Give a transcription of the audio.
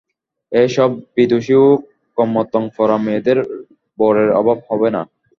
এই সব বিদুষী ও কর্মতৎপরা মেয়েদের বরের অভাব হবে না।